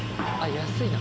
安いかな？